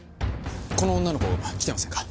この女の子来てませんか？